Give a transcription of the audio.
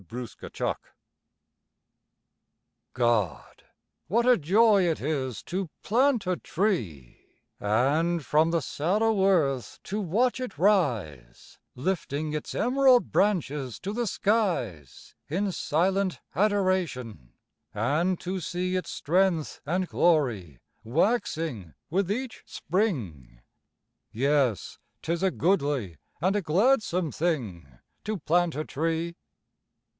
GO PLANT A TREE God, what a joy it is to plant a tree, And from the sallow earth to watch it rise, Lifting its emerald branches to the skies In silent adoration; and to see Its strength and glory waxing with each spring. Yes, 'tis a goodly, and a gladsome thing To plant a tree.